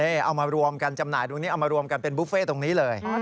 เอามารวมกันมารวมกันเป็นบุฟเฟ่ตรงนี้เลย